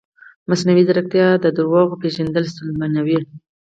مصنوعي ځیرکتیا د دروغو پېژندل ستونزمنوي.